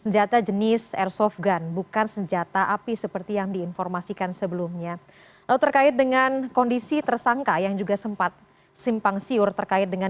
jalan proklamasi jakarta pusat